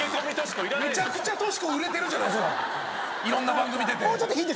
いろんな番組出て。